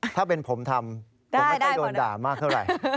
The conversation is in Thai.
ถ้าเป็นผมทำผมไม่ค่อยโดนด่ามากเท่าไหร่